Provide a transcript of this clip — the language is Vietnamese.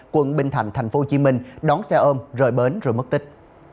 quận bình thạnh tp hcm đón xe ôm rời bến rồi mất tích